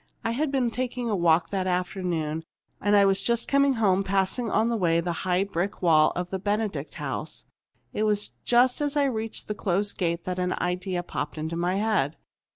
I had been taking a walk that afternoon and was just coming home, passing on the way the high brick wall of the Benedict house. It was just as I reached the closed gate that an idea popped into my head.